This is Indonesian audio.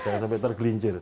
jangan sampai tergelincir